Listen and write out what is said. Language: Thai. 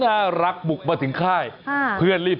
หมอกิตติวัตรว่ายังไงบ้างมาเป็นผู้ทานที่นี่แล้วอยากรู้สึกยังไงบ้าง